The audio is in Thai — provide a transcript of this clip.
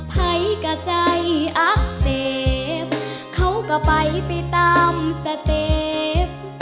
ไผ่ก็ใจอักเสบเค้าก็ไปไปตามสเต็บ